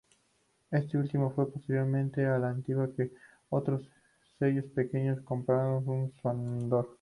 Este último fue posteriormente, al igual que otros sellos pequeños, comprado por Sondor.